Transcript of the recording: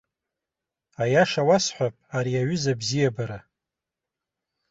Аиаша уасҳәап, ари аҩыза абзиабара!